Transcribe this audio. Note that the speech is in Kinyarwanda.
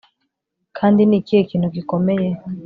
Kandi ni ikihe kintu gikomeye